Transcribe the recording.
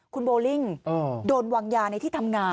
คุณโบลิ่งโดนวางยาในที่ทำงาน